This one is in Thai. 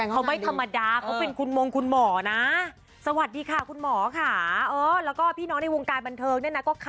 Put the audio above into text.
ครับครับครับคุณผู้ชม